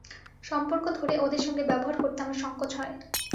সম্পর্ক ধরে ওঁদের সঙ্গে ব্যবহার করতে আমার সংকোচ হয়।